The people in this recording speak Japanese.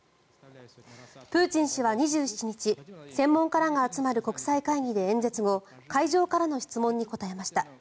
プーチン氏は２７日専門家らが集まる国際会議で演説後会場からの質問に答えました。